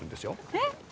えっ？